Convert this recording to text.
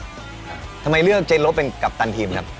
ทำไมเลือกเจลบเป็นกัปตันทีมครับ